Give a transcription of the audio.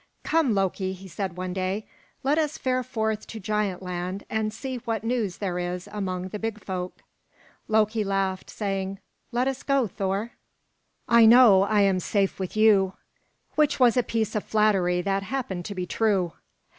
"Come, Loki," he said one day, "let us fare forth to Giant Land and see what news there is among the Big Folk." Loki laughed, saying, "Let us go, Thor. I know I am safe with you;" which was a piece of flattery that happened to be true.